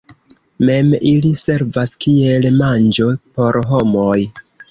Mem ili servas kiel manĝo por homoj.